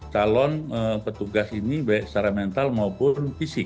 calon petugas ini baik secara mental maupun fisik